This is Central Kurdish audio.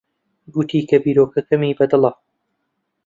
گوتی کە بیرۆکەکەمی بەدڵە.